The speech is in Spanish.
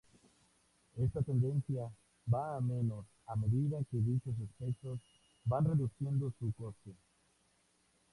Esta tendencia va a menos a medida que dichos aspectos van reduciendo su coste.